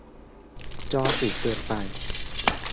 จอสูงเกินไป